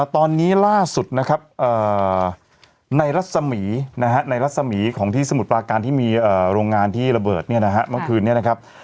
ตอนนี้ล่าสุดนะครับในรัศมีนะฮะในรัศมีของที่สมุทรปราการที่มีโรงงานที่ระเบิดเนี่ยนะฮะเมื่อคืนนี้นะครับ